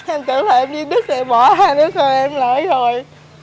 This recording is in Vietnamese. em tưởng là em đi đức thì bỏ hai nước thôi em lỡ rồi